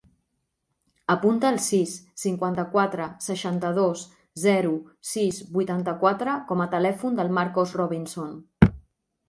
Apunta el sis, cinquanta-quatre, seixanta-dos, zero, sis, vuitanta-quatre com a telèfon del Marcos Robinson.